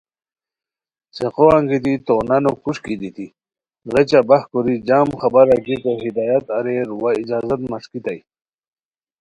څیقو انگیتی تو نانو کوݰکی دیتی غیچہ باہ کوری جم خبارہ گیکو ہدایت اریر وا اجازت مݰکیتائے